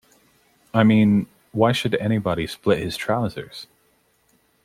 I mean, why should anybody split his trousers?